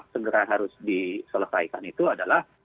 segera harus diselesaikan itu adalah